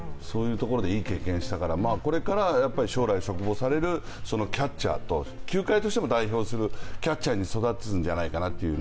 そういうところでいい経験をしたから、これから将来、嘱望されるキャッチャー、球界としても代表するキャッチャーに育つんじゃないかなと。